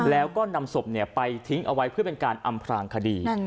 แล้วก็นำศพไปทิ้งเอาไว้เพื่อเป็นการอำพลางคดี